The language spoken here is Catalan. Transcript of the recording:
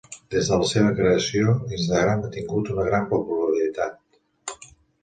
Des de la seva creació, Instagram ha tingut una gran popularitat.